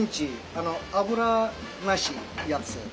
あの脂なしやつ。